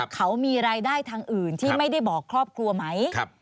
เขามีรายได้ทางอื่นที่ไม่ได้บอกครอบครัวไหม